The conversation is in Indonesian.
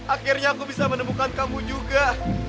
akhirnya aku bisa menemukan kamu juga